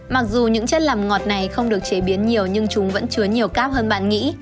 mặc dù những chất làm ngọt này không được chế biến nhiều nhưng chúng vẫn chứa nhiều cáp hơn bạn nghĩ